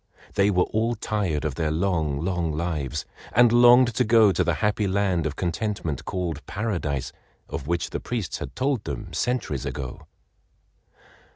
They were all tired of their long, long lives, and longed to go to the happy land of contentment called Paradise of which the priests had told them centuries ago.